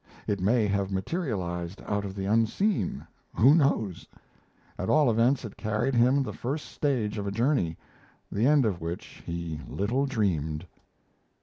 It may have materialized out of the unseen who knows? At all events it carried him the first stage of a journey, the end of which he little dreamed.